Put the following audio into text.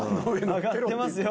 揚がってますよ。